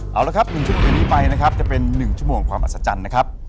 เอาละครับ๑ชั่วโมงนี้ไปนะครับจะเป็น๑ชั่วโมงความอัศจรรย์นะครับ